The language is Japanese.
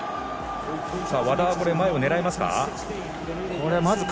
和田は前を狙いますか。